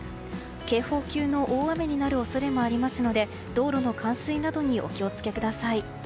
警報級の大雨になる恐れもありますので道路の冠水などにお気を付けください。